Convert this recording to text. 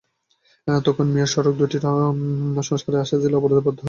তখন মেয়র সড়ক দুটির সংস্কারের আশ্বাস দিলে অবরোধ প্রত্যাহার করেন এলাকাবাসী।